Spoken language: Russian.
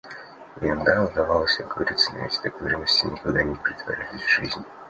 Иногда удавалось договориться, но эти договоренности никогда не претворялись в жизнь.